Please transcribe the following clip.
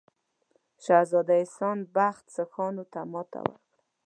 شهزاده احسان بخت سیکهانو ته ماته ورکړه.